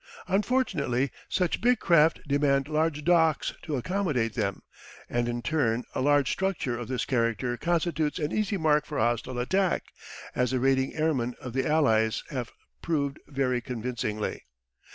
Unfortunately such big craft demand large docks to accommodate them, and in turn a large structure of this character constitutes an easy mark for hostile attack, as the raiding airmen of the Allies have proved very convincingly.